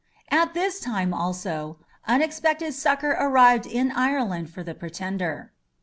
At this time, also, unexpected succour arrived in Ireland for the pretender.